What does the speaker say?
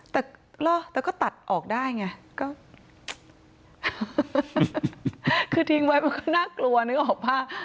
แต่เขาก็ไม่เอาเชือกออก